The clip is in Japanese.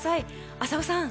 浅尾さん